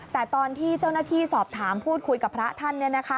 แต่ตอนที่เจ้าหน้าที่สอบถามพูดคุยกับพระท่าน